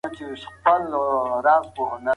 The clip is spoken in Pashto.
سید نابغه